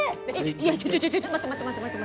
ちょちょちょちょ待って待って待って待って。